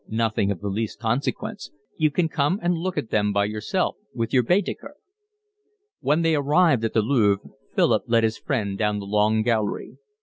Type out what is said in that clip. "Nothing of the least consequence. You can come and look at them by yourself with your Baedeker." When they arrived at the Louvre Philip led his friend down the Long Gallery.